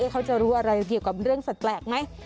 เขาจะรู้อะไรเกี่ยวกับเรื่องสัตว์แปลกไหม